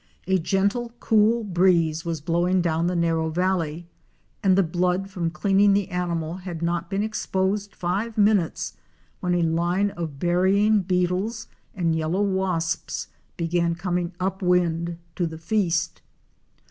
A gentle cool breeze was blowing down the narrow valley and the blood from cleaning the animal had not been exposed five minutes when a line of burying beetles and yellow wasps began coming up wind to the feast.